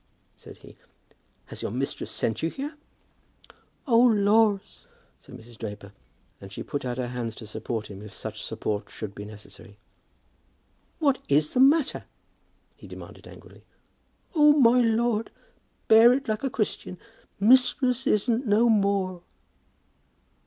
said he. "Has your mistress sent you here?" "Oh, laws!" said Mrs. Draper, and she put out her hands to support him if such support should be necessary. "What is the matter?" he demanded angrily. "Oh, my lord; bear it like a Christian. Mistress isn't no more."